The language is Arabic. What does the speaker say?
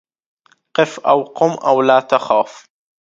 قِفْ أَوْ قُمْ أَوْ لَا تَخَفْ